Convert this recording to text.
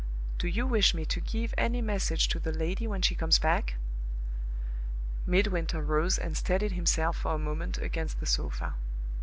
"Do you wish me to give any message to the lady when she comes back?" Midwinter rose and steadied himself for a moment against the sofa.